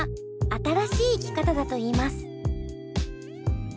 新しい生き方だといいます。